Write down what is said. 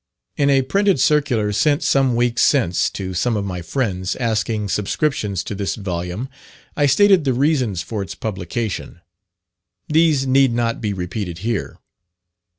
In a printed circular sent some weeks since to some of my friends, asking subscriptions to this volume, I stated the reasons for its publication: these need not be repeated here.